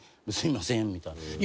「すいません」みたいな。